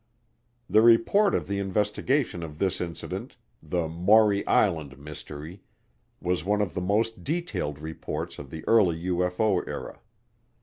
The report of the investigation of this incident, the Maury Island Mystery, was one of the most detailed reports of the early UFO era.